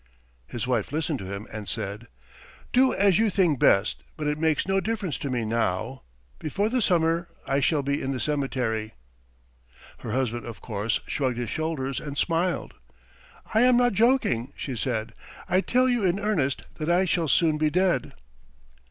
"His wife listened to him and said: "'Do as you think best, but it makes no difference to me now. Before the summer I shall be in the cemetery.' "Her husband, of course, shrugged his shoulders and smiled. "'I am not joking,' she said. 'I tell you in earnest that I shall soon be dead.'